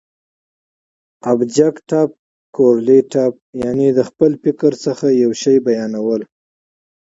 ابجګټف کورلیټف، یعني د خپل فکر څخه یو شي بیانول.